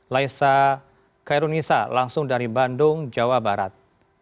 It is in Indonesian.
saya kairun nisa langsung dari bandung jawa barat